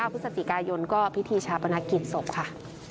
พฤศจิกายนก็พิธีชาปนกิจศพค่ะ